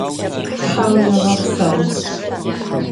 Thauêğepseu!